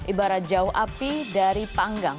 ibarat jauh api dari panggang